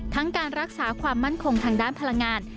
การรักษาความมั่นคงทางด้านพลังงาน